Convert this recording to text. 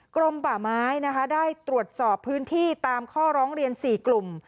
กรมป่าไม้นะคะได้ตรวจสอบพื้นที่ตามข้อร้องเรียน๔กลุ่ม